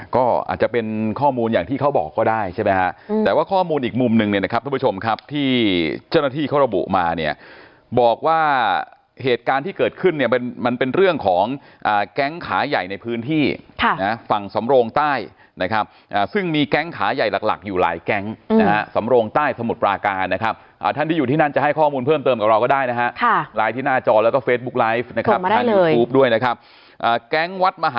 ก็อาจจะเป็นข้อมูลอย่างที่เขาบอกก็ได้ใช่ไหมฮะแต่ว่าข้อมูลอีกมุมหนึ่งนะครับท่านผู้ชมครับที่เจ้าหน้าที่เขาระบุมาเนี่ยบอกว่าเหตุการณ์ที่เกิดขึ้นเนี่ยมันเป็นเรื่องของแก๊งขาใหญ่ในพื้นที่ฝั่งสำโรงใต้นะครับซึ่งมีแก๊งขาใหญ่หลักอยู่หลายแก๊งสำโรงใต้สมุทรปราการนะครับท่านที่อยู่ที่น